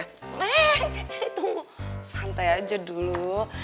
hei tunggu santai aja dulu